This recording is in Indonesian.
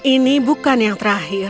dan ini bukan yang terakhir